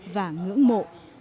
và ngưỡng mộ